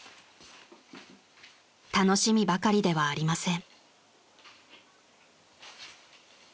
［楽しみばかりではありません］